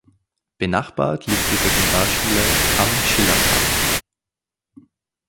Benachbart liegt die Sekundarschule „Am Schillerpark“.